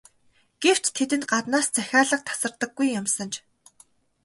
Гэвч тэдэнд гаднаас захиалга тасардаггүй юмсанж.